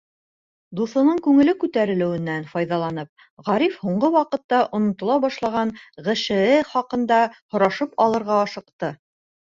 Дуҫының күңеле күтәрелеүенән файҙаланып, Ғариф һуңғы ваҡытта онотола башлаған ҒШЭ хаҡында һорашып алырға ашыҡты.